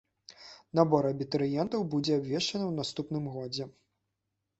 Набор абітурыентаў будзе абвешчаны ў наступным годзе.